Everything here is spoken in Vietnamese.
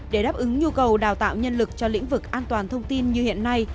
để đáp ứng nhu cầu đào tạo nhân lực cho lĩnh vực an toàn thông tin như hiện nay